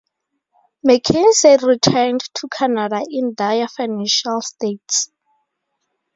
Mackenzie returned to Canada in dire financial states.